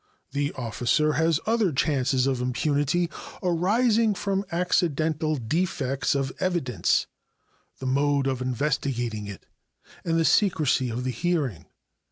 The officer has other chances of impunity arising from accidental defects of evidence, the mode of investigating it, and the secrecy of the hearing.